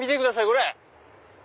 これ！